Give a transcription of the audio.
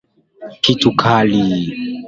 Kitu kali.